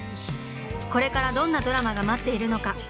これからどんなドラマが待っているのか